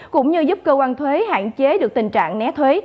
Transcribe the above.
cũng như giúp cơ quan thuế hạn chế được tình trạng né thuế